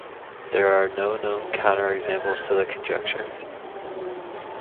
There are no known counterexamples to the conjecture.